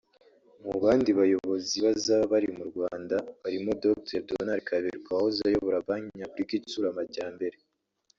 Mu bandi bayobozi bazaba bari mu Rwanda barimo Dr Donald Kaberuka wahoze ayobora Banki Nyafurika Itsura Amajyambere